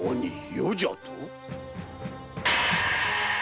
「余」じゃと？